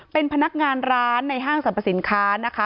เป็นพนักงานร้านในห้างสรรพสินค้านะคะ